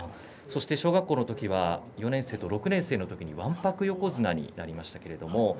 小学校のとき４年生と６年生のときにわんぱく横綱になりました。